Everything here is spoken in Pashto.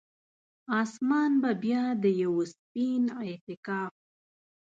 اسمان به بیا د یوه سپین اعتکاف،